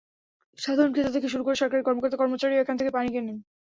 সাধারণ ক্রেতা থেকে শুরু করে সরকারি কর্মকর্তা-কর্মচারীরাও এখান থেকে পানি কেনেন।